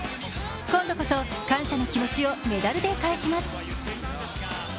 今度こそ感謝の気持ちをメダルで返します。